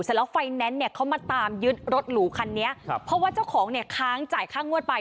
ไฟแนนซ์เนี่ยเขามาตามยึดรถหรูคันนี้ครับเพราะว่าเจ้าของเนี่ยค้างจ่ายค่างวดไป